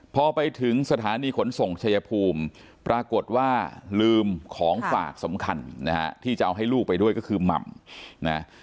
พอไปถึงสถานีขนส่งชายภูมิปรากฏว่าลืมของฝากสำคัญนะฮะที่จะเอาให้ลูกไปด้วยก็คือหม่ำนะ